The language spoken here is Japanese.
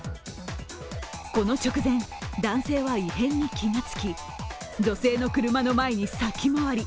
この直前、男性は異変に気がつき、女性の車の前に先回り。